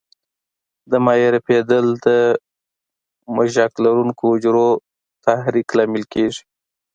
د مایع رپېدل د مژک لرونکو حجرو تحریک لامل کېږي.